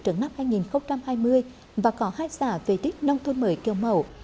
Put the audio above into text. trở nắp hai nghìn hai mươi và có hai xã về tích nông thôn mới kiểu mẫu